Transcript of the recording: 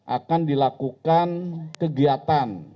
akan dilakukan kegiatan